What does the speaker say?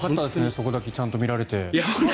そこだけちゃんと見られて。